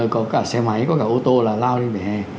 có cả xe máy có cả ô tô là lao lên vỉa hè